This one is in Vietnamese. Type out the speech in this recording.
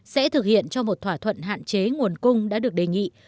sẽ thực hiện cho một thỏa thuận hạn chế nguồn cung đã được đề nghị